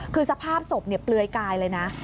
คือสภาพศพเปลือยกายเลยนะ